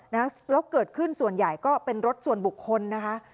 แล้วเกิดขึ้นส่วนใหญ่ก็เป็นรถส่วนบุคคลนะคะ